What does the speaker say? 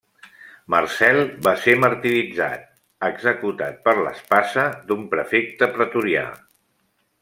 Marcel va ser martiritzat, executat per l'espasa d'un prefecte pretorià.